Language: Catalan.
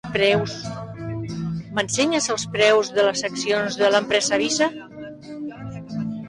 M'ensenyes els preus de les accions de l'empresa Visa?